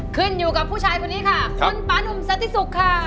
ขึ้นอยู่กับผู้ชายคนนี้ค่ะคุณปานุ่มสติสุกค่ะ